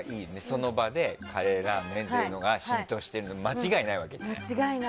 その場でカレーラーメンというのが浸透しているなら間違いないわけだから。